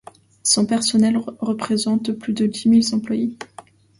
Son personnel représente plus de dix mille employés.